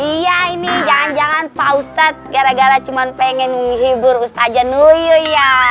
iya ini jangan jangan pak ustadz gara gara cuma pengen menghibur ustadz januyo ya